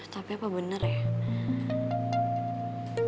tapi apa bener ya